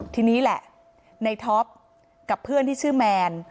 ทีนี้แหละในท็อปกับเพื่อนที่ชื่อแมน